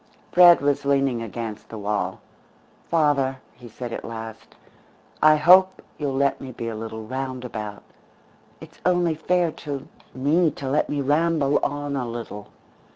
Fred was leaning against the wall. "Father," he said at last, "I hope you'll let me be a little roundabout. It's only fair to me to let me ramble on a little.